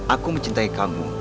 aku mencintai kamu